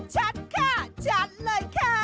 ชัดค่ะชัดเลยค่ะ